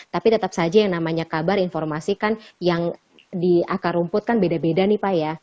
tapi tetap saja yang namanya kabar informasi kan yang di akar rumput kan beda beda nih pak ya